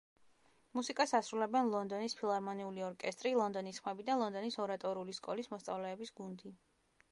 მუსიკას ასრულებენ ლონდონის ფილარმონიული ორკესტრი, ლონდონის ხმები და ლონდონის ორატორული სკოლის მოსწავლეების გუნდი.